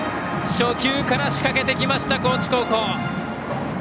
初球から仕掛けてきました高知高校。